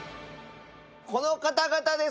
この方々です。